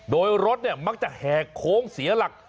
โดยรถมักจะแหกโค้งเสียหลัก